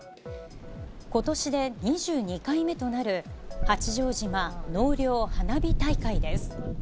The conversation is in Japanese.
ことしで２２回目となる八丈島納涼花火大会です。